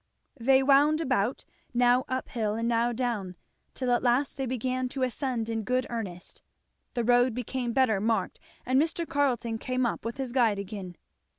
They wound about, now uphill and now down, till at last they began to ascend in good earnest; the road became better marked, and Mr. Carleton came up with his guide again.